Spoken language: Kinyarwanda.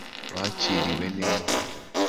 Bakiriwe neza